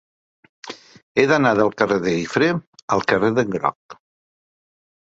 He d'anar del carrer de Guifré al carrer d'en Groc.